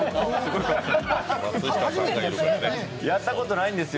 やったことないんですよ